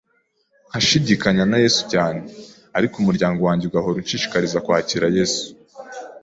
nkashidikanya na Yesu cyane, ariko umuryango wanjye ugahora unshishikariza kwakira Yesu